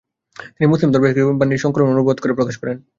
তিনি মুসলিম দরবেশগণের বাণী সঙ্কলন ও অনুবাদ করে প্রকাশ করেন।